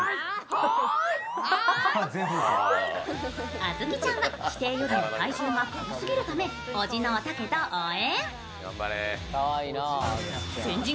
アヅキちゃんは規定よりも体重が軽すぎるため、叔父のおたけと応援。